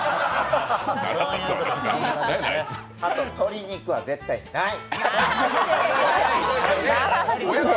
あと鶏肉は絶対ない！